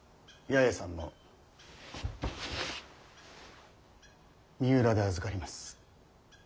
八重さんも三浦で預かります。